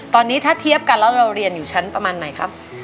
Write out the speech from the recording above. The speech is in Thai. ตอนนี้ถ้าเทียบกันแล้วเราเรียนอยู่ชั้นประมาณไหนครับ